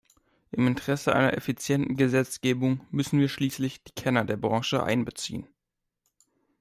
Im Interesse einer effizienten Gesetzgebung müssen wir schließlich die Kenner der Branche einbeziehen.